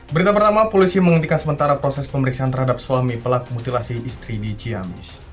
berita pertama polisi menghentikan sementara proses pemeriksaan terhadap suami pelaku mutilasi istri di ciamis